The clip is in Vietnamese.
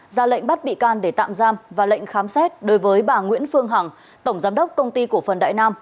ra lệnh bắt bị can để tạm giam và lệnh khám xét đối với bà nguyễn phương hằng tổng giám đốc công ty cổ phần đại nam